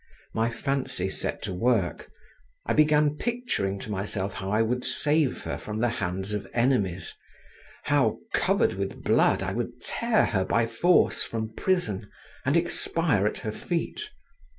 My fancy set to work. I began picturing to myself how I would save her from the hands of enemies; how, covered with blood I would tear her by force from prison, and expire at her feet.